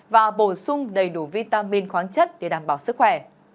và bổ sung đầy đủ vitamin khoáng chất để đảm bảo sức khỏe